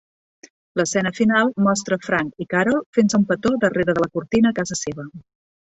L'escena final mostra a Frank i Carol fent-se un petó darrere de la cortina a casa seva.